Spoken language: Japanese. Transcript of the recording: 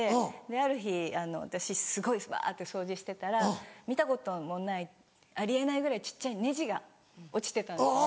ある日私すごいわって掃除してたら見たこともないあり得ないぐらい小っちゃいネジが落ちてたんですね